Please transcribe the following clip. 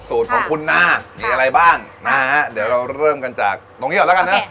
สูตรของคุณนามีอะไรบ้างนะฮะเดี๋ยวเราเริ่มกันจากตรงนี้ก่อนแล้วกันนะ